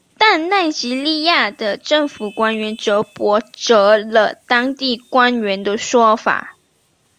但奈及利亚的政府官员则驳斥了当地官员的说法。